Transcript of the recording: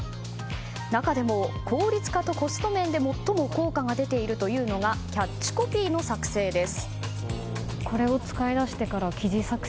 中でも効率化とコスト面で最も効果が出ているというのがキャッチコピーの作成です。